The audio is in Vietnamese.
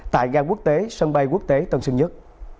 tại gà quốc tế sân bay quốc tế tân sơn nhất